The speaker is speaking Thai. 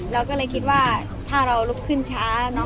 เราก็เลยคิดว่าถ้าเรารวมขึ้นมาค่ะ